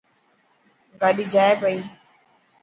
گاڏي جائي پئي.